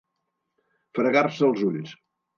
Fregar-se els ulls.